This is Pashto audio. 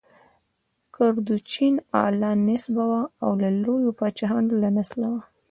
کردوچین اعلی نسبه وه او د لویو پاچاهانو له نسله وه.